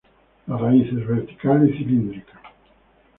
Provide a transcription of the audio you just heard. La raíz es vertical y cilíndrica.